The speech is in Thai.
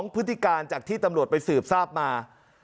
พฤติการจากที่ตำรวจไปสืบทราบมา